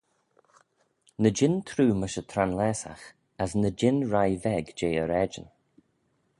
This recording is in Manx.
Ny jean troo mysh y tranlaasagh, as ny jean reih veg jeh e raaidyn.